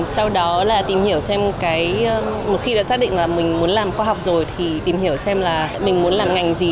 sau đó là tìm hiểu xem một khi đã xác định là mình muốn làm khoa học rồi thì tìm hiểu xem là mình muốn làm ngành gì